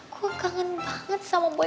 gue kangen banget sama boy